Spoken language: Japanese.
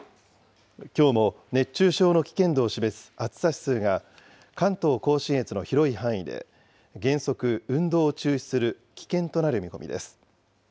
きょうも熱中症の危険度を示す暑さ指数が、関東甲信越の広い範囲で、原則運動を中止する、危険となる見込みです。